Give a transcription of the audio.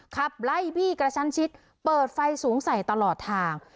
ขับไล่บี้กระชั้นชิดเปิดไฟสูงใส่ตลอดทาง